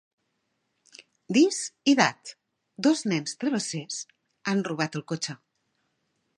"Dis"i "Dat", dos nens travessers, han robat el cotxe.